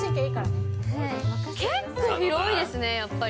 結構広いですね、やっぱり。